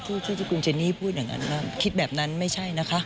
ที่คุณเจนี่พูดอย่างนั้นว่าคิดแบบนั้นไม่ใช่นะคะ